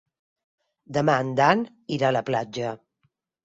Demà en Dan irà a la platja.